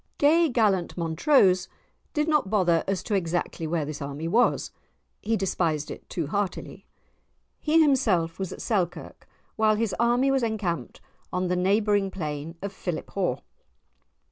Gay Gallant Montrose did not bother as to exactly where this army was; he despised it too heartily. He himself was at Selkirk, while his army was encamped on the neighbouring plain of Philiphaugh.